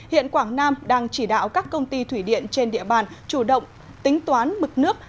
hiện quảng nam đang chỉ đạo các công ty thủy điện trên địa bàn chủ động tính toán mực nước